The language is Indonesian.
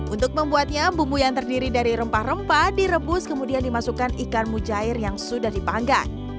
untuk membuatnya bumbu yang terdiri dari rempah rempah direbus kemudian dimasukkan ikan mujair yang sudah dipanggang